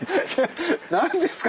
何ですか？